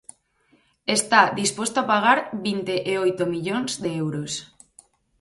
Está disposto a pagar vinte e oito millóns de euros.